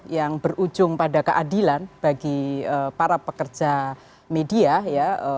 yang berujung pada keadilan bagi para pekerja media ya